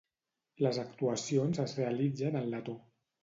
Les actuacions es realitzen en letó.